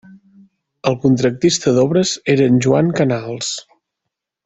El contractista d'obres era en Joan Canals.